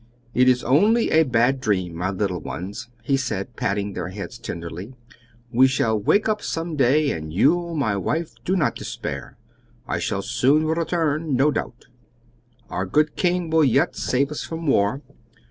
"It is only a bad dream, my little ones," he said, patting their heads tenderly; "we shall wake up some day. And you, my wife, do not despair! I shall soon return, no doubt! Our good King will yet save us from war.